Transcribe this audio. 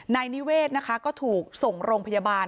นายนิเวศนะคะก็ถูกส่งโรงพยาบาล